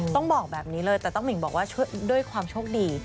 ต้องบอกแบบนี้เลยแต่ต้องหิ่งบอกว่าด้วยความโชคดี